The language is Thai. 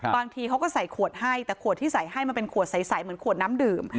บางทีเขาก็ใส่ขวดให้แต่ขวดที่ใส่ให้มันเป็นขวดใสเหมือนขวดน้ำดื่ม